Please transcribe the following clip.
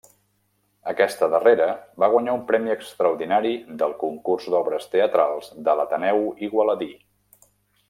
Aquesta darrera va guanyar un premi extraordinari del concurs d'obres teatrals de l'Ateneu Igualadí.